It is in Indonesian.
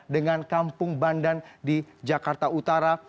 dengan kampung bandan di jakarta utara